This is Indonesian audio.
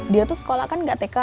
dia tuh sekolah kan nggak tekstur